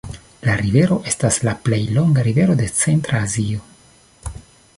La rivero estas la plej longa rivero de Centra Azio.